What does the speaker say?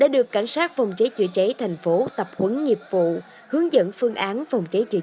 được cảnh sát phòng cháy chữa cháy thành phố tập huấn nghiệp vụ hướng dẫn phương án phòng cháy chữa cháy